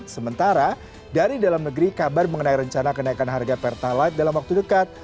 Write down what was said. sementara dari dalam negeri kabar mengenai rencana kenaikan harga pertalite dalam waktu dekat